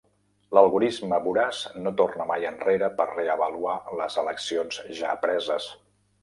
L'algorisme voraç no torna mai enrere per reavaluar les eleccions ja preses.